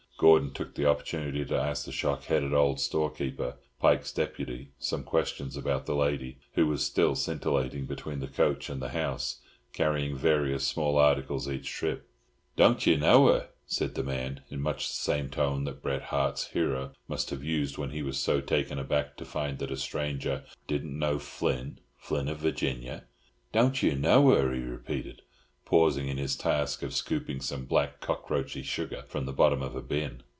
Gordon took the opportunity to ask the shock headed old storekeeper, Pike's deputy, some questions about the lady, who was still scintillating between the coach and the house, carrying various small articles each trip. "Don't yer know 'er?" said the man, in much the same tone that Bret Harte's hero must have used when he was so taken aback to find that a stranger— "Didn't know Flynn,— Flynn of Virginia." "Don't yer know 'er?" he repeated, pausing in his task of scooping some black cockroachy sugar from the bottom of a bin.